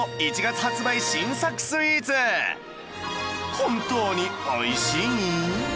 本当においしい？